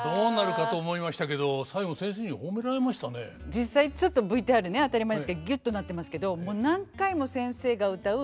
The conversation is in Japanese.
実際ちょっとＶＴＲね当たり前ですけどギュッとなってますけどもう何回も先生が謡う。